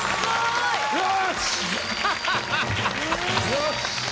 よし！